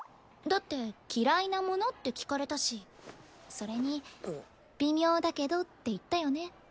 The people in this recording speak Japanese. だって「嫌いなもの」って聞かれたしそれに「微妙だけど」って言ったよね。